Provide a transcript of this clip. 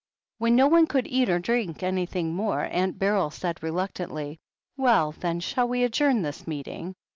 When no one could eat or drink ansrthing more. Aunt Beryl said re luctantly : *'Well, then — shall we adjourn this meeting?"